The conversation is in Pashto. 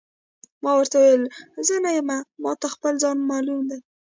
ما ورته وویل: زه نه یم، ما ته خپل ځان معلوم دی.